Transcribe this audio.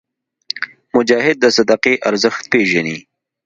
مجاهد د صدقې ارزښت پېژني.